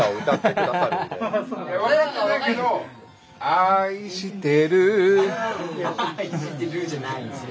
・「愛してる」じゃないんですよ。